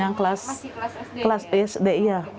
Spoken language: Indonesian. yang kelas sd ya